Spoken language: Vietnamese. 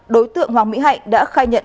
đối tượng hoàng mỹ hạnh đã khai nhận